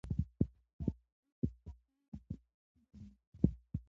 د اقلیت حقونه باید خوندي وي